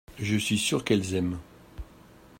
Je suis sûr qu’elles aiment.